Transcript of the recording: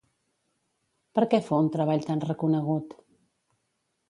Per què fou un treball tan reconegut?